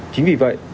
chính vì vậy